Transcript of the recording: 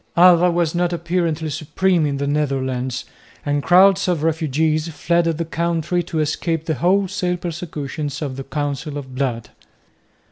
Alva was now apparently supreme in the Netherlands; and crowds of refugees fled the country to escape the wholesale persecutions of the Council of Blood.